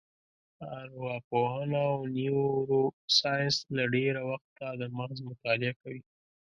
ارواپوهنه او نیورو ساینس له ډېره وخته د مغز مطالعه کوي.